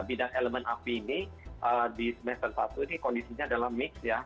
bidang elemen api ini di semester satu ini kondisinya adalah mix ya